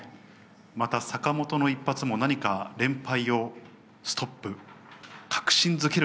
また坂本の一発も何か連敗をストップ、確信づける